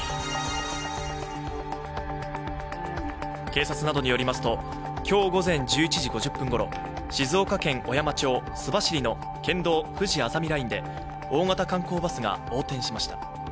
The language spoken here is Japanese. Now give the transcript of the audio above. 警察などによりますと、今日午前１１時５０分ごろ、静岡県小山町須走の県道ふじあざみラインで大型観光バスが横転しました。